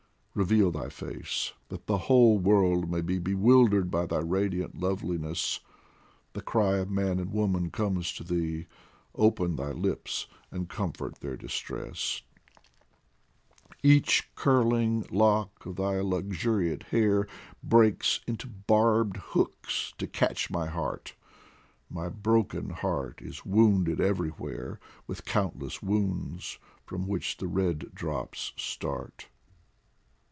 Reveal thy face ! that the whole world may be Bewildered by thy radiant loveliness ; The cry of man and woman comes to thee, Open thy lips and comfort their distress ! 113 H POEMS FROM THE Each curling lock of thy luxuriant hair Breaks into barbed hooks to catch my heart, My broken heart is wounded everywhere With countless wounds from which the red drops start.